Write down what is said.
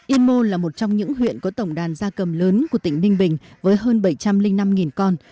yên mô là một trong những huyện có tổng đàn gia cầm lớn của tỉnh ninh bình với hơn bảy trăm linh năm con